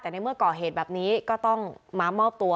แต่ในเมื่อก่อเหตุแบบนี้ก็ต้องมามอบตัว